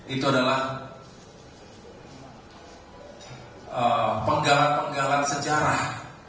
itu adalah penggalan penggalan sejarah